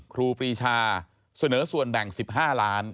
ครูปรีชาเสนอส่วนแบ่ง๑๕ล้าน